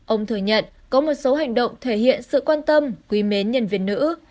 ông thừa nhận có một số hành động thể hiện sự quan tâm quý mến nhân viên nữ